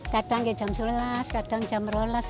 kadang jam sebelas kadang jam dua belas